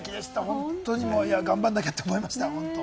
本当に頑張らなきゃって思いました本当。